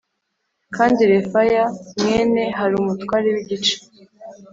Kandi refaya mwene huri umutware w igice